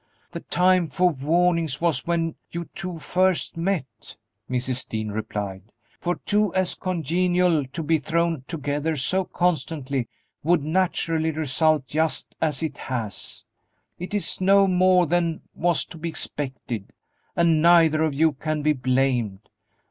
"The time for warning was when you two first met," Mrs. Dean replied; "for two as congenial to be thrown together so constantly would naturally result just as it has; it is no more than was to be expected, and neither of you can be blamed.